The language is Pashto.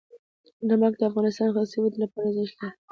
نمک د افغانستان د اقتصادي ودې لپاره ارزښت لري.